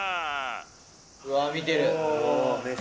・うわ見てる